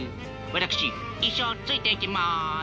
私一生ついていきます。